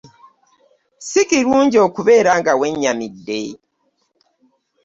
Sikirungi okubeera nga we nyamide.